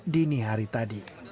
dini hari tadi